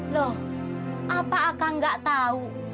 loh apa akan gak tahu